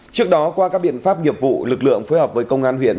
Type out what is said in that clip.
trước đó qua các biện pháp nghiệp vụ lực lượng phối hợp với công an huyện